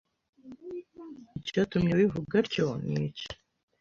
Icyatumye abivuga atyo niki